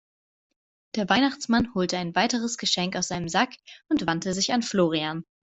Der Weihnachtsmann holte ein weiteres Geschenk aus seinem Sack und wandte sich an Florian.